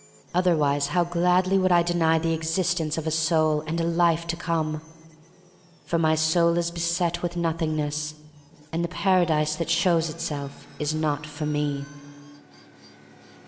Otherwise, how gladly would I deny the existence of a soul and a life to come! For my soul is beset with Nothing ness, and the Paradise that shows itself is not for me.